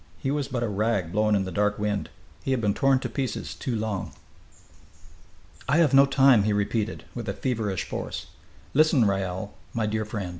He was but a rag blown in the dark wind. He had been torn to pieces too long. "I have no time!" he repeated, with a feverish force. "Listen, Raoul, my dear friend.